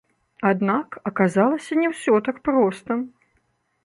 Аднак, аказалася, не ўсё так проста.